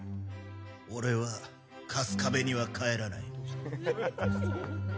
俺は、春日部には帰らない。